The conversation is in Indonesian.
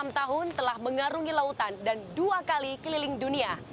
enam tahun telah mengarungi lautan dan dua kali keliling dunia